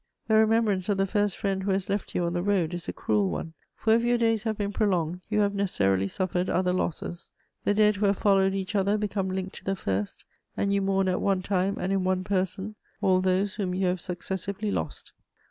The remembrance of the first friend who has left you on the road is a cruel one; for if your days have been prolonged, you have necessarily suffered other losses: the dead who have followed each other become linked to the first, and you mourn at one time and in one person all those whom you have successively lost.